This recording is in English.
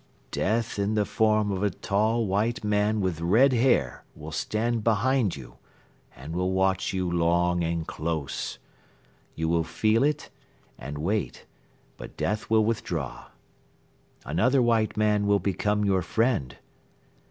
"Death in the form of a tall white man with red hair will stand behind you and will watch you long and close. You will feel it and wait but Death will withdraw. ... Another white man will become your friend.